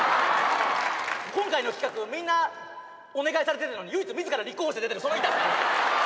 今回の企画みんなお願いされてるのに唯一自ら立候補して出てるその痛さ。